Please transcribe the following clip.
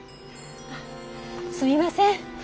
あっすみません